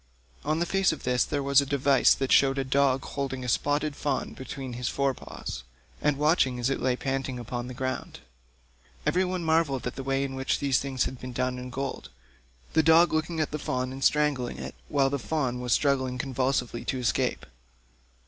On the face of this there was a device that shewed a dog holding a spotted fawn between his fore paws, and watching it as it lay panting upon the ground. Every one marvelled at the way in which these things had been done in gold, the dog looking at the fawn, and strangling it, while the fawn was struggling convulsively to escape.